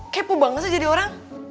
kepo banget sih jadi orang